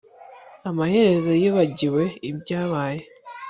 Amaherezo yibagiwe ibyabaye